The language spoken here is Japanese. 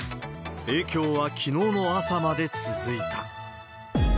影響はきのうの朝まで続いた。